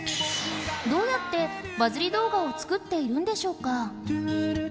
どうやってバズり動画を作っているんでしょうか？